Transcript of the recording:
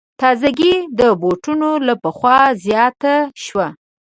تازګي د بوټو له پخوا زیاته شوه.